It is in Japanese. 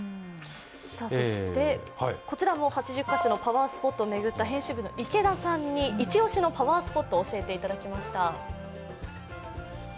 そして、こちらも８０カ所のパワースポットを巡った編集部の池田さんにイチオシのパワースポットを教えていただきました。